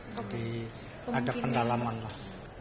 jadi ada pendalaman lah